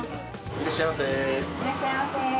いらっしゃいませ。